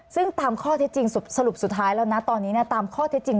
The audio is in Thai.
ซึ่งตามข้อที่จริงสรุปสุดท้ายตอนนี้ตามข้อที่จริง